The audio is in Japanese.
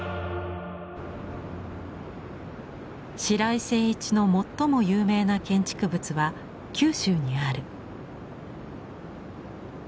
白井晟一の最も有名な建築物は九州にある。